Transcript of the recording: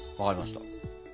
わかりました。